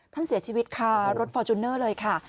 ท่านเสียชีวิตค่ะรถฟอร์จูเนอร์เลยค่ะ